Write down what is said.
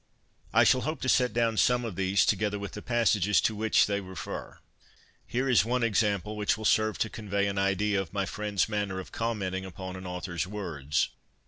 I shall hope to set down some of these, together with the passages to which they refer. Here is one example, which will serve to convey an idea of my friend's manner of commenting upon an author's words.